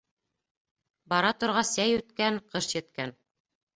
Бара торғас, йәй үткән, ҡыш еткән.